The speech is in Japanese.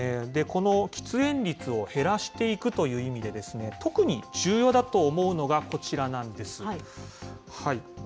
この喫煙率を減らしていくという意味で、特に重要だと思うのがこちらなんです。